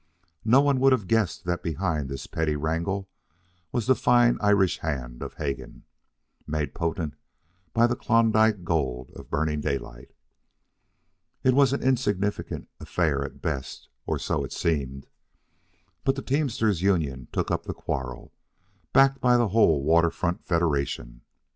No one would have guessed that behind this petty wrangle was the fine Irish hand of Hegan, made potent by the Klondike gold of Burning Daylight. It was an insignificant affair at best or so it seemed. But the Teamsters' Union took up the quarrel, backed by the whole Water Front Federation.